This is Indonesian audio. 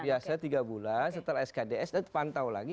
biasanya tiga bulan setelah skds dan terpantau lagi